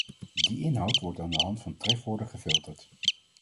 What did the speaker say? Die inhoud wordt aan de hand van trefwoorden gefilterd.